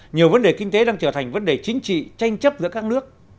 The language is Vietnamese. nhiều vấn đề kinh tế đang trở thành vấn đề chính trị tranh chấp giữa các nước